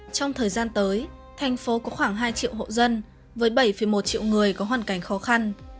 trong thời gian tới thành phố có khoảng hai triệu hộ dân với bảy một triệu người có hoàn cảnh khó khăn